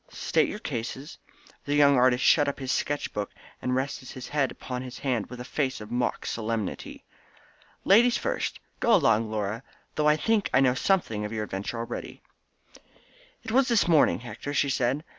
"State your cases." The young artist shut up his sketch book, and rested his head upon his hands with a face of mock solemnity. "Ladies first! Go along Laura, though I think I know something of your adventure already." "It was this morning, Hector," she said.